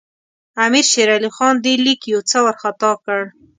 امیر شېر علي خان دې لیک یو څه وارخطا کړ.